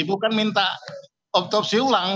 bukan minta otopsi ulang